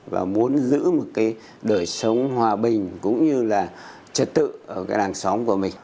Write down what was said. và muốn giữ một cái đời sống hòa bình cũng như là trật tự ở cái làng xóm của mình